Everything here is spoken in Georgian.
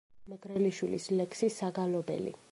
მეგრელიშვილის ლექსი „საგალობელი“.